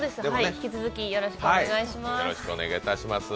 引き続きよろしくお願いします。